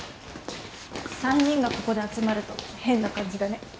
３人がここで集まると変な感じだね。